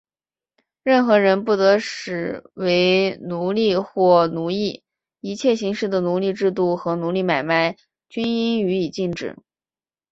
任何人不得使为奴隶或奴役;一切形式的奴隶制度和奴隶买卖,均应予以禁止。